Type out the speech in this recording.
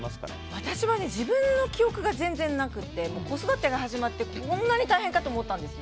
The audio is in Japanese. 私は自分の記憶が全然なくて子育てが始まってこんなに大変かと思ったんです。